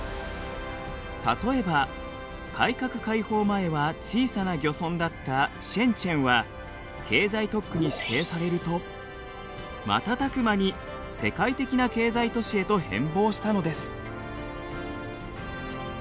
例えば改革開放前は小さな漁村だったシェンチェンは経済特区に指定されると瞬く間に世界的な経済都市へと変貌したのです。